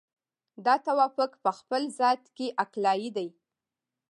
دا توافق په خپل ذات کې عقلایي دی.